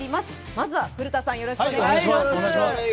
まずは古田さん、よろしくお願いします。